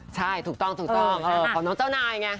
ใช่ถูกต้องของน้องเจ้านายไง